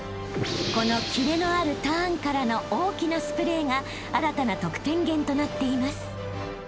［このキレのあるターンからの大きなスプレーが新たな得点源となっています］